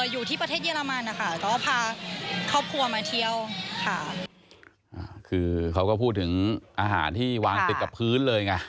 อยู่ที่ประเทศเยอรมันนะคะแต่ว่าพาครอบครัวมาเที่ยวค่ะคือเขาก็พูดถึงอาหารที่วางติดกับพื้นเลยไง